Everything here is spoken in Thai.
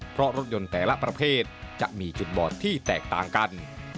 เพราะรถยนต์แต่ละประเภทจะมีจุดบอดที่แตกต่างกัน